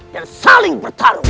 dan saling bertarung